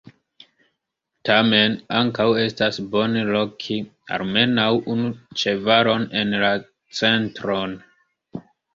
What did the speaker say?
Tamen ankaŭ estas bone loki almenaŭ unu ĉevalon en la centron.